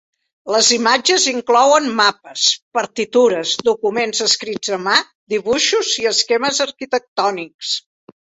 Les imatges inclouen mapes, partitures, documents escrits a mà, dibuixos i esquemes arquitectònics.